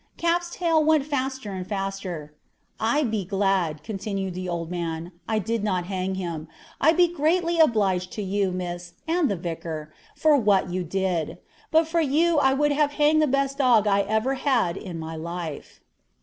Cap's tail went faster and faster. 'I be glad,' continued the old man, 'I did not hang him. I be greatly obliged to you, Miss, and the vicar, for what you did. But for you I would have hanged the best dog I ever had in my life.'"